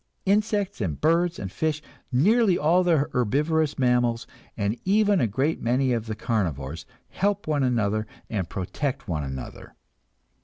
Insects and birds and fish, nearly all the herbivorous mammals, and even a great many of the carnivores, help one another and protect one another.